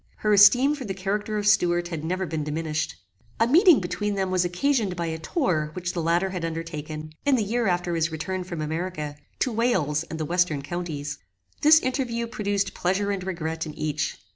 Her esteem for the character of Stuart had never been diminished. A meeting between them was occasioned by a tour which the latter had undertaken, in the year after his return from America, to Wales and the western counties. This interview produced pleasure and regret in each.